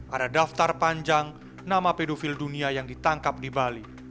ada daftar panjang nama pedofil dunia yang ditangkap di bali